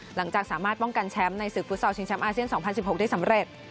หลังจากสามารถป้องกันแชมป์ในศึกฟุตซอลชิงแชมป์อาเซียน๒๐๑๖ได้สำเร็จ